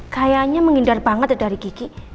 kayanya menghindar banget dari kiki